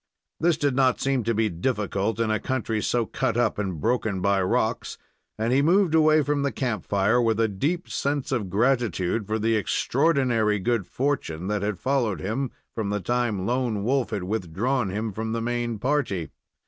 This did not seem to be difficult in a country so cut up and broken by rocks, and he moved away from the camp fire with a sense of deep gratitude for the extraordinary good fortune that had followed him from the time Lone Wolf had withdrawn him from the main party.